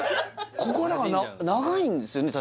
ここだから長いんですよね？